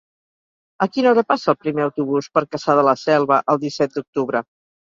A quina hora passa el primer autobús per Cassà de la Selva el disset d'octubre?